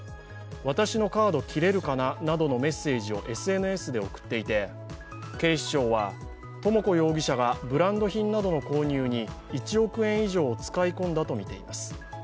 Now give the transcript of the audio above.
私のカード切れるかななどのメッセージをＳＮＳで送っていて警視庁は智子容疑者がブランド品などの購入に１億円以上を使い込んだと見られています。